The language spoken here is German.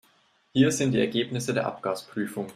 Hier sind die Ergebnisse der Abgasprüfung.